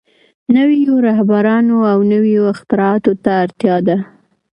نويو رهبرانو او نويو اختراعاتو ته اړتيا ده.